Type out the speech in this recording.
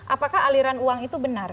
apakah aliran uang itu benar